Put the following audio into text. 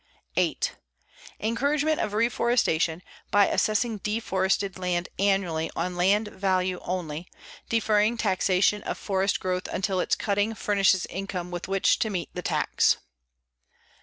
8. Encouragement of reforestation by assessing deforested land annually on land value only, deferring taxation of forest growth until its cutting furnishes income with which to meet the tax.